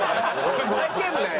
ふざけんなよ！